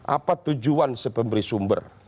apa tujuan si pemberi sumber